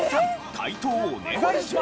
解答お願いします。